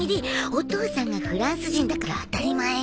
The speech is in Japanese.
お父さんがフランス人だから当たり前よ